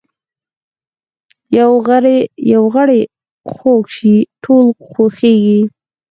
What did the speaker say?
یو غړی خوږ شي ټول خوږیږي